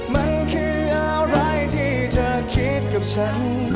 มันคืออะไรที่เธอคิดกับฉัน